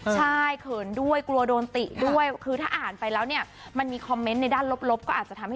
ใช่เขินด้วยกลัวโดนติด้วยคือถ้าอ่านไปแล้วเนี่ยมันมีคอมเมนต์ในด้านลบก็อาจจะทำให้